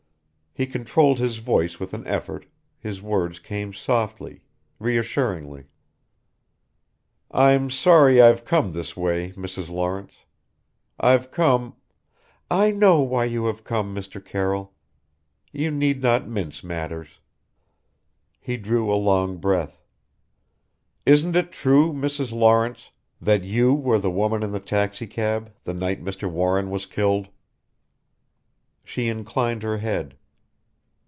He controlled his voice with an effort his words came softly, reassuringly. "I'm sorry I've come this way, Mrs. Lawrence. I've come " "I know why you have come, Mr. Carroll. You need not mince matters." He drew a long breath. "Isn't it true, Mrs. Lawrence, that you were the woman in the taxi cab the night Mr. Warren was killed?" She inclined her head.